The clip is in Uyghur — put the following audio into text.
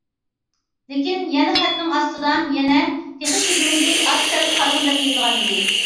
لېكىن يەنە خەتنىڭ ئاستىدا يەنە‹‹ تېخى تۈگىمىدى، ئارقا تەرەپكە قارىغىن›› دەپ يېزىلغانىدى.